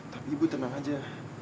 tapi ibu tenang saja